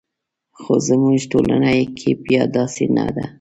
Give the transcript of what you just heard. خو زموږ ټولنه کې بیا داسې نه ده.